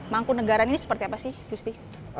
mangkunagaran ini seperti apa sih justi